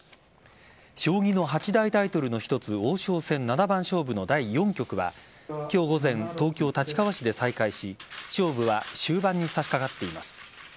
将棋の八大タイトルの１つ王将戦七番勝負の第４局は今日午前、東京・立川市で再開し勝負は終盤に差し掛かっています。